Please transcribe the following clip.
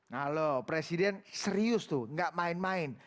nah lo presiden serius tuh gak main main